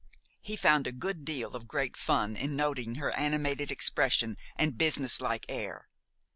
He found a good deal of quiet fun in noting her animated expression and businesslike air.